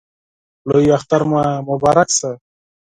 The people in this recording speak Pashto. لوی اختر مو مبارک شه